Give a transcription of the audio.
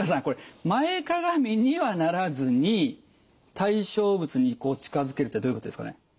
これ前かがみにはならずに対象物に近づけるってどういうことですかね？